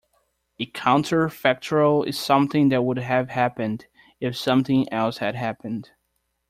A Counter-factual is something that would have happened if something else had happened.